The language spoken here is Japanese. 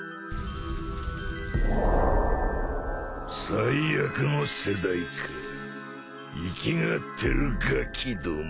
最悪の世代か粋がってるガキども